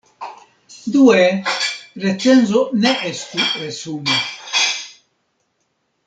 Due, recenzo ne estu resumo.